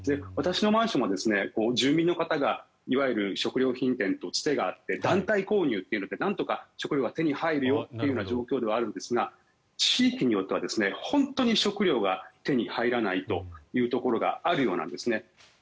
私もマンションは住民の方がいわゆる食料品店とつてがあって団体購入でなんとか食料が手に入る状況ではあるんですが地域によっては本当に食料が手に入らないというところがあるようなんですね。